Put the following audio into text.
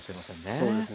そうですね。